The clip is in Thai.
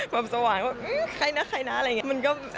ปรับสว่างว่าใครนะอะไรอย่างนี้